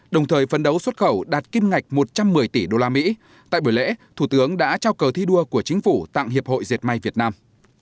đồng thời phấn đấu xuất khẩu đạt kim ngạch một trăm một mươi tỷ usd tại buổi lễ thủ tướng đã trao cờ thi đua của chính phủ tặng hiệp hội diệt may việt nam